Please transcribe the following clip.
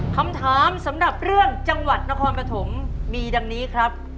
คำถามสำหรับเรื่องจังหวัดนครปฐมมีดังนี้ครับ